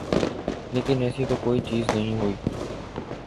لیکن ایسی تو کوئی چیز نہیں ہوئی۔